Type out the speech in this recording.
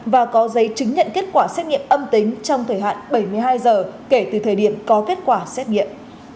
và có giấy chứng nhận kết quả xét nghiệm âm tính trong thời hạn bảy mươi hai giờ kể từ thời điểm có kết quả xét nghiệm